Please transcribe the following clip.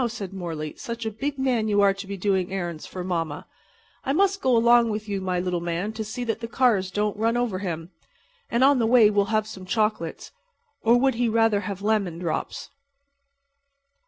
said Morley. "Such a big man you are to be doing errands for mamma. I must go along with my little man to see that the cars don't run over him. And on the way we'll have some chocolates. Or would he rather have lemon drops?"